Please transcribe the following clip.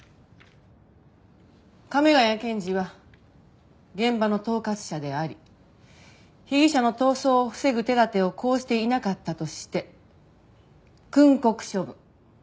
亀ヶ谷検事は現場の統括者であり被疑者の逃走を防ぐ手立てを講じていなかったとして訓告処分。